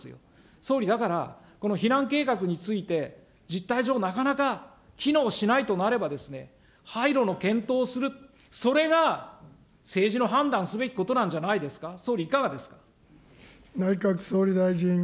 総理、だから、この避難計画について、じったい上、なかなか機能しないとなれば、廃炉の検討をする、それが政府の判断すべきことなんじゃないですか、総理、いかがですか。